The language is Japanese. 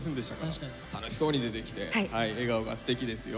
楽しそうに出てきて笑顔がステキですよ。